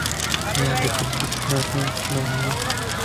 نەیان دەپرسی چمان هەیە و چمان نییە